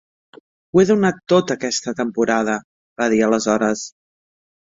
"Ho he donat tot aquesta temporada", va dir aleshores.